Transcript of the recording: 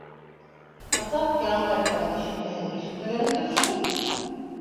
Атаҡ, яңы ҡайтҡас, ишетмәһәң ишетмәгәнһеңдер шу.